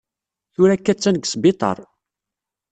Tura akka attan deg sbiṭar.